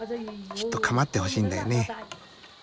きっと構ってほしいんだよね。